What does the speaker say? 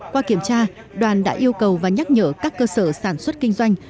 qua kiểm tra đoàn đã yêu cầu và nhắc nhở các cơ sở sản xuất kinh doanh